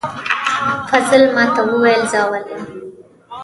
فضل ماته وویل زه اول یم